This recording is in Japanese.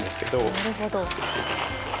なるほど。